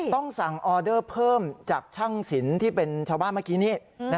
ต้องสั่งออเดอร์เพิ่มจากช่างสินที่เป็นชาวบ้านเมื่อกี้นี้